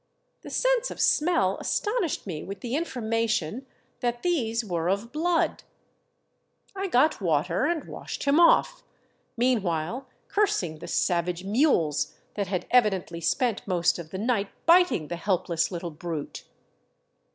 The sense of smell astonished me with the information that these were of blood. I got water and washed him off, meanwhile cursing the savage mules that had evidently spent most of the night biting the helpless little brute.